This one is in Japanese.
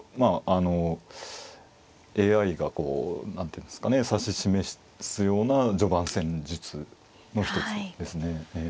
あのＡＩがこう何ていうんですかね指し示すような序盤戦術の一つですね。